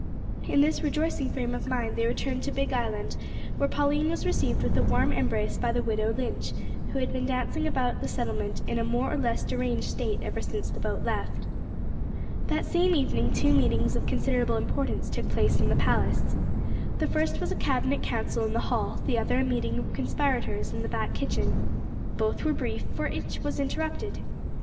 In this rejoicing frame of mind they returned to Big Island, where Pauline was received with a warm embrace by the widow Lynch, who had been dancing about the settlement in a more or less deranged state ever since the boat left. That same evening two meetings of considerable importance took place in the palace. The first was a cabinet council in the hall; the other a meeting of conspirators in the back kitchen. Both were brief, for each was interrupted.